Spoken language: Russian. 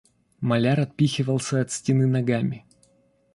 Маляр отпихивался от стены ногами.